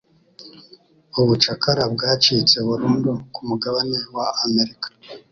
Ubucakara bwacitse burundu ku mugabane wa Amerika